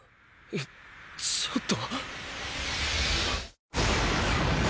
えちょっと。